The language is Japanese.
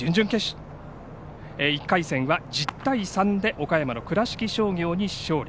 １回戦は１０対３で岡山の倉敷商業に勝利。